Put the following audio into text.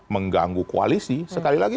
mengganggu koalisi sekali lagi